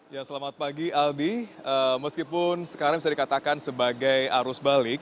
ya selamat pagi aldi meskipun sekarang bisa dikatakan sebagai arus balik